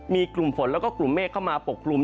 มีกลุ่มฝนแล้วก็กลุ่มเมฆเข้ามาปกกลุ่ม